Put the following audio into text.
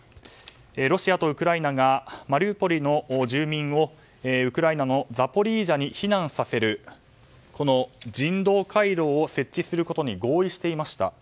ロシアとウクライナがマリウポリの住民をウクライナのザポリージャに避難させるこの人道回廊を設置することに合意していました。